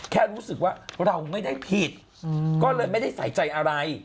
แค่รู้สึกว่าเราไม่ได้ผิดก็เลยไม่ได้ใส่ใจอะไร